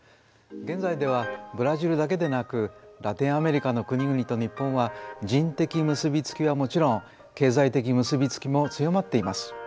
現在ではブラジルだけでなくラテンアメリカの国々と日本は人的結び付きはもちろん経済的結び付きも強まっています。